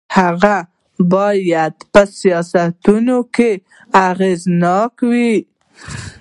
هغه باید په سیاستونو کې اغېزناک وي.